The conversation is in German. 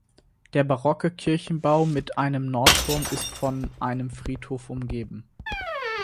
Der barocke Kirchenbau mit einem Nordturm ist von einem Friedhof umgeben.